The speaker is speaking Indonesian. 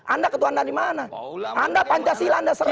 anda ketuhanan di mana anda pancasila anda serang